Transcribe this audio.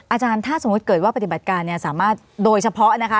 อาจารย์ถ้าสมมุติเกิดว่าปฏิบัติการเนี่ยสามารถโดยเฉพาะนะคะ